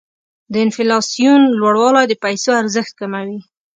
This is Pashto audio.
د انفلاسیون لوړوالی د پیسو ارزښت کموي.